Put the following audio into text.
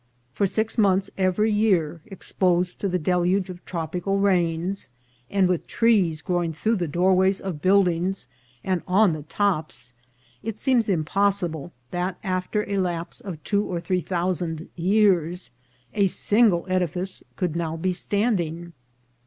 For six months every year exposed to the deluge of tropical rains, and with trees growing through the doorways of buildings and on the tops, it seems impossible that, after a lapse of two or three thousand years, a single edifice could now be standing.